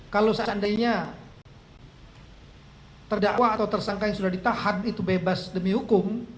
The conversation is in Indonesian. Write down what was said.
kalau seandainya terdakwa atau tersangka yang sudah ditahan itu bebas demi hukum